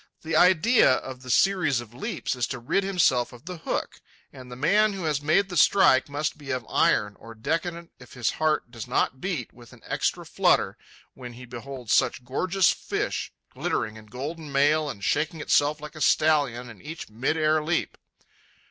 The idea of the series of leaps is to rid himself of the hook, and the man who has made the strike must be of iron or decadent if his heart does not beat with an extra flutter when he beholds such gorgeous fish, glittering in golden mail and shaking itself like a stallion in each mid air leap.